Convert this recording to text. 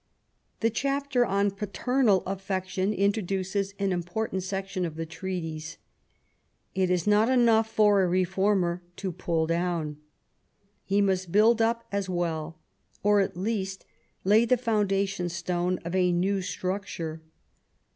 The chapter on Paternal Affection introduces an important section of the treatise. It is not enough for a reformer to pull down. He must build up as well, or at least lay the foundation stone of a new struc ture.